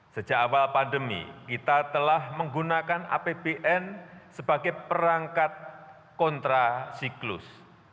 sejak awal pandemi kita telah menggunakan apbn sebagai perangkat kontra siklus